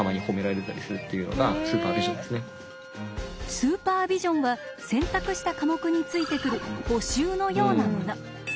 スーパービジョンは選択した科目についてくる補習のようなもの。